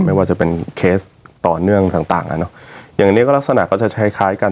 ไม่ว่าจะเป็นเคสต่อเนื่องต่างต่างอ่ะเนอะอย่างเนี้ยก็ลักษณะก็จะใช้คล้ายคล้ายกัน